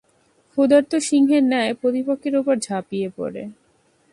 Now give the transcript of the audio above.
ক্ষুধার্ত সিংহের ন্যায় প্রতিপক্ষের উপর ঝাঁপিয়ে পড়ে।